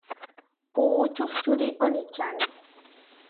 Puú čuhčúri oničáni.